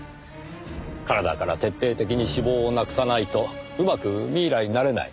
体から徹底的に脂肪をなくさないとうまくミイラになれない。